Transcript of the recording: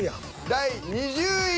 第２０位。